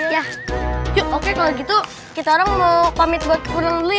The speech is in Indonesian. yah yuk oke kalo gitu kita orang mau pamit buat kekunan dulu ya